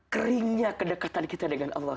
keringnya kedekatan kita dengan allah